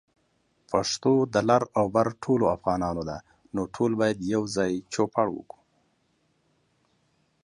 پښتو د لر او بر ټولو افغانانو ده، نو ټول يوځای چوپړ يې کوو